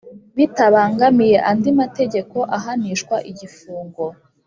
Bitabangamiye andi mategeko ahanishwa igifungo